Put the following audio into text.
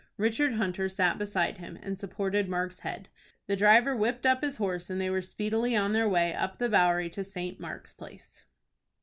Richard Hunter sat beside him, and supported Mark's head. The driver whipped up his horse, and they were speedily on their way up the Bowery to St. Mark's Place.